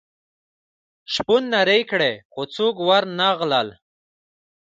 شپون نارې کړې خو څوک ور نه غلل.